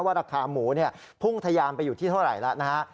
ราคาหมูพุ่งทะยานไปอยู่ที่เท่าไหร่แล้วนะฮะ